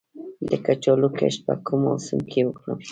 د کچالو کښت په کوم موسم کې وکړم؟